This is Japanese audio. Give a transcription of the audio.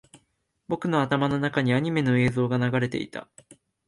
僕の頭の中にアニメの映像が流れていた